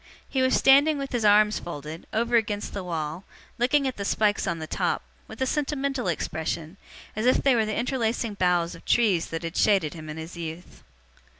He was standing with his arms folded, over against the wall, looking at the spikes on the top, with a sentimental expression, as if they were the interlacing boughs of trees that had shaded him in his youth.